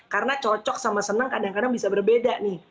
karena cocok sama senang kadang kadang bisa berbeda nih